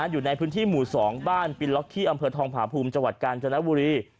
อยู่ในพื้นที่หมู่๒บ้านปินล็อกขี้อำเภอทองผาภูมิจังหวัดกาญจนบุรี